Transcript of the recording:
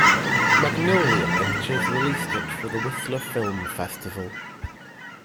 Magnolia Pictures released it for the Whistler Film Festival.